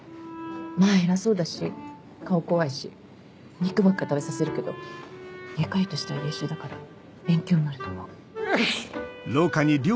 まぁ偉そうだし顔怖いし肉ばっか食べさせるけど外科医としては優秀だから勉強になると思う。